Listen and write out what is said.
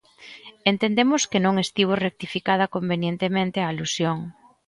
Entendemos que non estivo rectificada convenientemente a alusión.